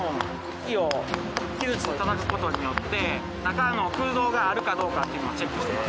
木を木づちでたたく事によって中の空洞があるかどうかっていうのをチェックしてます。